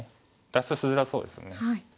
脱出しづらそうですよね。